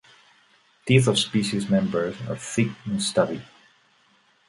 Teeth of species members are thick and stubby.